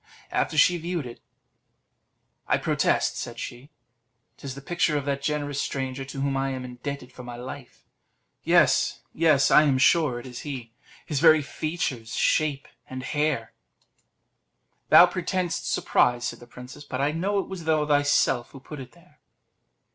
After she had viewed it, "I protest," said she, "'tis the picture of that generous stranger to whom I am indebted for my life. Yes, yes, I am sure it is he; his very features, shape, and hair." "Thou pretendest surprise," said the princess, "but I know it was thou thyself who put it there."